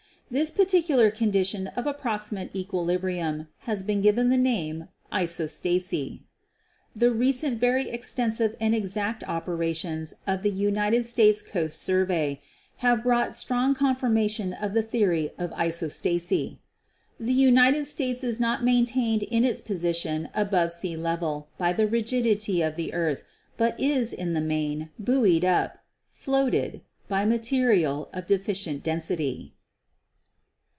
This particular condition of approximate equi librium has been given the name isostasy." The recent very extensive and exact operations of the United States Coast Survey have brought strong confirma tion of the theory of isostasy. "The United States is not maintained in its position above sea level by the rigidity of the earth, but is, in the main, buoyed up, floated, by ma terial of deficient density."